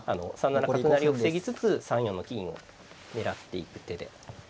３七角成を防ぎつつ３四の金を狙っていく手で。